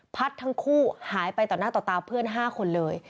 พัดทั้งคู่หายไปต่อหน้าต่อตาเพื่อน๕คนเลย